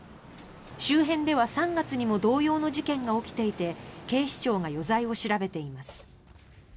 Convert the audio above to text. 周辺では３月にも同様の事件が起きていて警視庁が余罪を調べています。